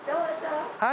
はい。